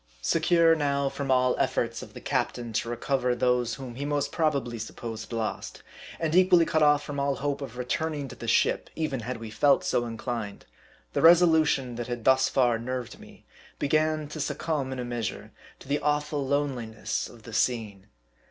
Secure now from all efforts of the captain to recover those whom he most probably supposed lost ; and equally cut off from all hope .of returning to the ship even had we felt so inclined ; the resolution that had thus far nerved me, began to succumb in a measure to the awful loneli ness of the scene.